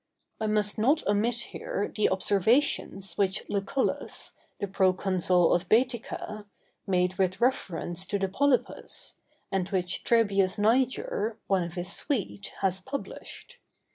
I must not omit here the observations which Lucullus, the proconsul of Bætica, made with reference to the polypus, and which Trebius Niger, one of his suite, has published.